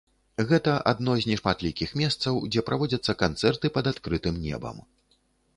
Гэта адно з нешматлікіх месцаў, дзе праводзяцца канцэрты пад адкрытым небам.